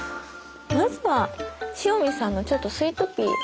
まずは塩見さんのちょっとスイートピー。